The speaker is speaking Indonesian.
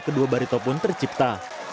kedua barito pun tercipta